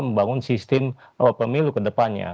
membangun sistem pemilu ke depannya